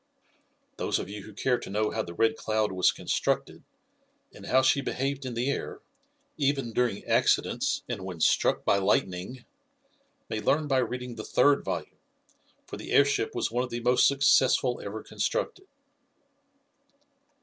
Those of you who care to know how the Red Cloud was constructed, and how she behaved in the air, even during accidents and when struck by lightning, may learn by reading the third volume, for the airship was one of the most successful ever constructed.